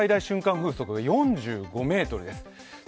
風速は４５メートルです。